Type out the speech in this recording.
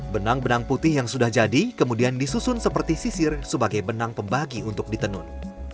benang benang putih yang sudah jadi kemudian disusun seperti sisir sebagai benang pembagi untuk ditenun